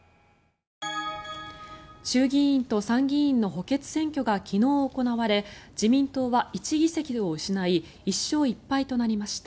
衆議院と参議院の補欠選挙が昨日、行われ自民党は１議席を失い１勝１敗となりました。